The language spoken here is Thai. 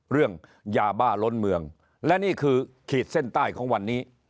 เรื่องยาบ้าล้นเมืองและนี่คือขีดเส้นใต้ของวันนี้